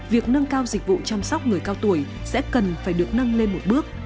việc nâng cao dịch vụ chăm sóc người cao tuổi sẽ cần phải được nâng lên một bước